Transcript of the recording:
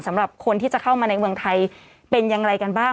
สำหรับคนที่จะเข้ามาในเมืองไทยเป็นอย่างไรกันบ้าง